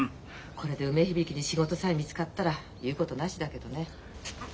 これで梅響に仕事さえ見つかったら言うことなしだけどね。